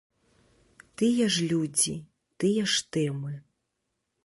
Тыя ж людзі, тыя ж тэмы.